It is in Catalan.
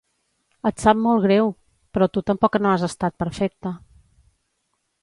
Et sap molt greu... però tu tampoc no has estat perfecta.